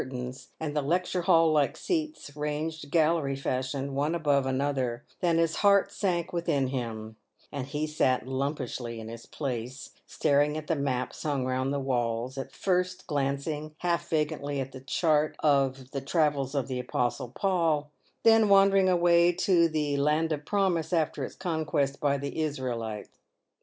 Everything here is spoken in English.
57 tains, and the lecture hall like seats, ranged gallery fashion, one above another, than his heart sank within him, and he sat lumpishly in his place, staring at the maps hung round the walls — first glancing, half vacantly, at the chart of " The travels of the Apostle Paul," then wandering away to the " Land of Promise after its conquest by the Israelites."